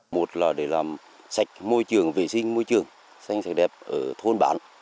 một là để làm sạch môi trường vệ sinh môi trường xanh sạch đẹp ở thôn bản